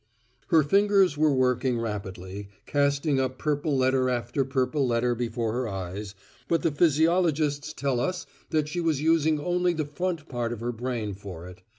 Her fingers were working rapidly casting up purple letter after purple letter before her eyes, but the physiologists tell us that she was using only the front part of her brain for it.